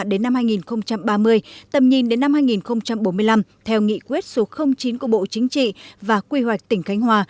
đến năm hai nghìn ba mươi tầm nhìn đến năm hai nghìn bốn mươi năm theo nghị quyết số chín của bộ chính trị và quy hoạch tỉnh cánh hòa